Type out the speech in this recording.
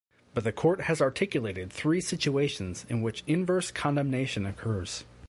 But the court has articulated three situations in which inverse condemnation occurs.